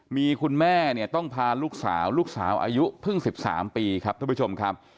มีคุณแม่เนี่ยต้องพาลูกสาวลูกสาวอายุเพิ่ง๑๓ปีครับทุกผู้ชมครับ